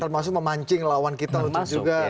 termasuk memancing lawan kita untuk juga keluhan dari